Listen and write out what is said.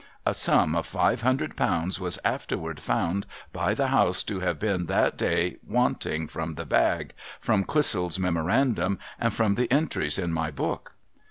A sum of five hundred pounds was afterward found by the house to have been that day wanting from the bag, from Clissold's memorandum, and from the entries in my book.